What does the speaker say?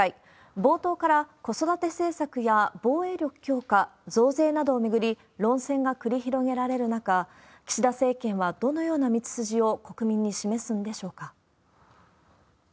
冒頭から、子育て政策や防衛力強化、増税などを巡り、論戦が繰り広げられる中、岸田政権はどのような道筋を国民に示すのでしょうか。